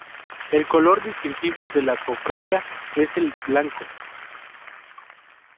El color distintivo de la Cofradía es el blanco.